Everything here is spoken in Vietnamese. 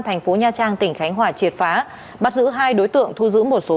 thành phố nha trang tỉnh khánh hòa triệt phá bắt giữ hai đối tượng thu giữ một số